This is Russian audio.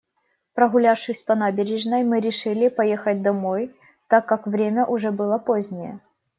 Прогулявшись по набережной, мы решили поехать домой, так как время уже было позднее.